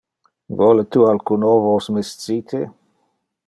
Vole tu alcun ovos miscite?